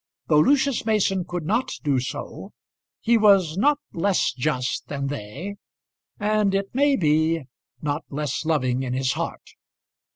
Though Lucius Mason could not do so, he was not less just than they, and, it may be, not less loving in his heart.